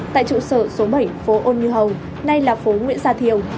tại trụ sở số bảy phố ôn như hầu nay là phố nguyễn sa thiều